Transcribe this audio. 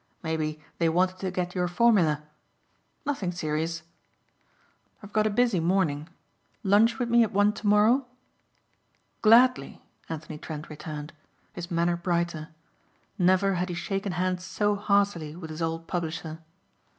Maybe they wanted to get your formula. Nothing serious. I've got a busy morning. Lunch with me at one tomorrow?" "Gladly," Anthony Trent returned, his manner brighter. Never had he shaken hands so heartily with his old publisher.